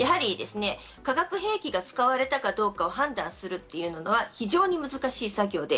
化学兵器が使われたかどうかを判断するというのは非常に難しい作業。